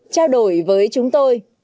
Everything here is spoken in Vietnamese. trao đổi với chúng tôi